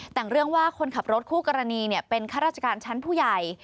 แต่งเรื่องว่าคนขับรถคู่กรณีเป็นข้าราชการชั้นผู้ใหญ่